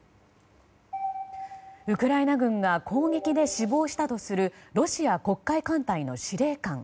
ウクライナ軍が攻撃で死亡したとするロシア黒海艦隊の司令官。